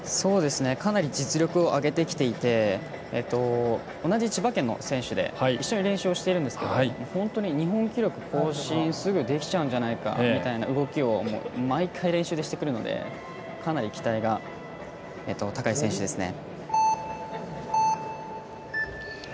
かなり実力を上げてきていて同じ千葉県の選手で一緒に練習をしているんですけど本当に日本記録更新すぐできちゃうんじゃないかみたいな動きを毎回、練習でしてくるのでかなり期待が高い選手ですね。